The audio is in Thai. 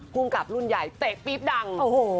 ภูมิกับรุ่นใหญ่เตะปี๊บดังโอ้โห